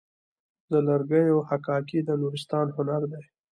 د لرګیو حکاکي د نورستان هنر دی.